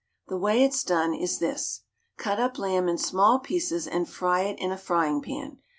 The way it's done is this: Cut up lamb in small pieces and fry it in a frying pan.